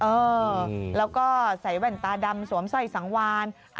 เออแล้วก็ใส่แว่นตาดำสวมสร้อยสังวาน